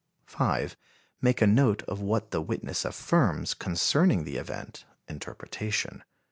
5. Make a note of what the witness affirms concerning the event (interpretation.)